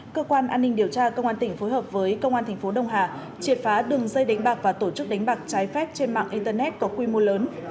cơ quan an ninh điều tra công an tỉnh phối hợp với công an thành phố đông hà triệt phá đường dây đánh bạc và tổ chức đánh bạc trái phép trên mạng internet có quy mô lớn